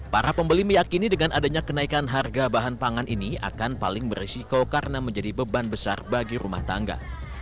para pembeli meyakini dengan adanya kenaikan harga bahan pangan ini akan paling berisiko karena menjadi beban besar bagi rumah tangga